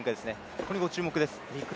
ここにご注目です。